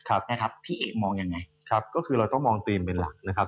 โอ้โฮก็มีไตรกับเกาหลีใช่ไหมครับ